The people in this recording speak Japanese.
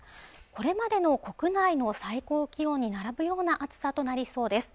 これまでの国内の最高気温に並ぶような暑さとなりそうです